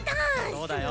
そうだよ。